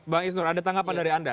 bang isnur ada tanggapan dari anda